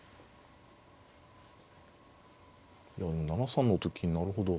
７三のと金なるほど。